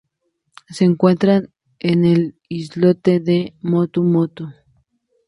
Se encuentra en el islote de Motu Mute.